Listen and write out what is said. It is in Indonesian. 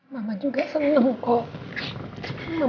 mama juga senang kok